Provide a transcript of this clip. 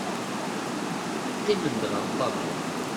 Qqimen-d ɣer ṭṭabla.